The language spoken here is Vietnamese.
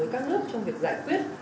với các nước trong việc giải quyết